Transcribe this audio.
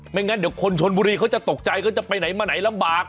งั้นเดี๋ยวคนชนบุรีเขาจะตกใจเขาจะไปไหนมาไหนลำบาก